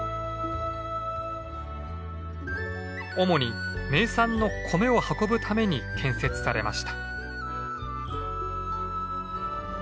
主に名産の米を運ぶために建設されました。